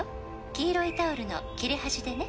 「黄色いタオルの切れ端でね」